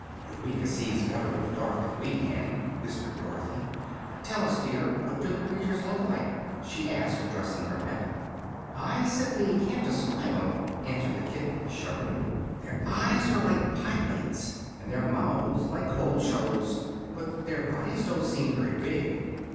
"Eureka sees better in the dark than we can," whispered Dorothy. "Tell us, dear, what do the creatures look like?" she asked, addressing her pet. "I simply can't describe 'em," answered the kitten, shuddering. "Their eyes are like pie plates and their mouths like coal scuttles. But their bodies don't seem very big."